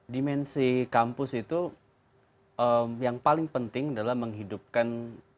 dimensi kampus itu yang paling penting adalah menghidupkan